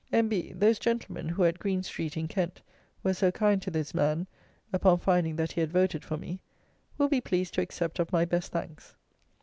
N.B. Those gentlemen, who, at Green street, in Kent, were so kind to this man, upon finding that he had voted for me, will be pleased to accept of my best thanks.